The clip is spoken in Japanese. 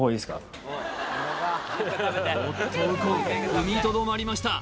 踏みとどまりました